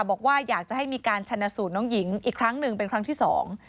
บอกว่าอยากจะให้มีการชนะสูตรน้องหญิงอีกครั้งหนึ่งเป็นครั้งที่สอง